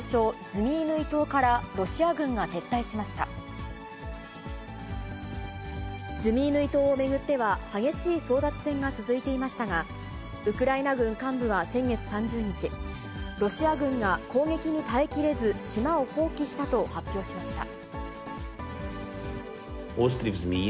ズミイヌイ島を巡っては、激しい争奪戦が続いていましたが、ウクライナ軍幹部は先月３０日、ロシア軍が攻撃に耐えきれず、島を放棄したと発表しました。